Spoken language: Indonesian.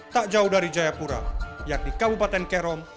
tak jauh dari jayapura yakni kabupaten kerom